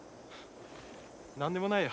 何でもないよ。